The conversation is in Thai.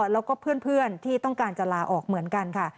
แล้วก็เพื่อนที่ต้องการจะลาออกเหมือนกันค่ะ